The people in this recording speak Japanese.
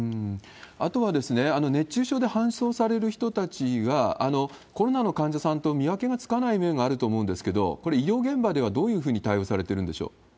あとは熱中症で搬送される人たちが、コロナの患者さんと見分けがつかない面があると思うんですけど、これ、医療現場ではどういうふうに対応されてるんでしょう？